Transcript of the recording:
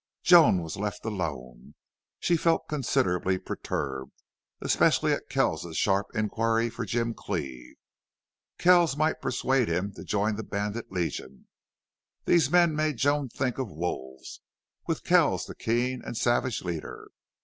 Joan was left alone. She felt considerably perturbed, especially at Kells's sharp inquiry for Jim Cleve. Kells might persuade him to join that bandit legion. These men made Joan think of wolves, with Kells the keen and savage leader.